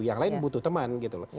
yang lain butuh teman gitu loh